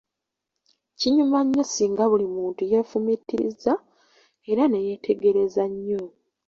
Kinyuma nnyo singa buli muntu yeefumiitiriza era neyetegereza nnyo.